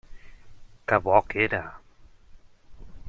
Que bo que era!